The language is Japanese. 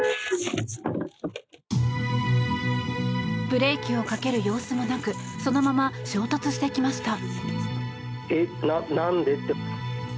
ブレーキをかける様子もなくそのまま衝突してきました。